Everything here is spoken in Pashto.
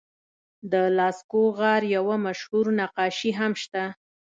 د لاسکو غار یوه مشهور نقاشي هم شته.